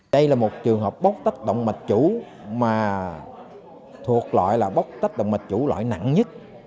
đây là một trường hợp bóc tách động mạch chủ mà thuộc loại là bóc tách động mạch chủ loại nặng nhất